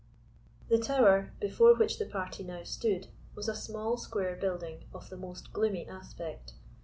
The tower, before which the party now stood, was a small square building, of the most gloomy aspect.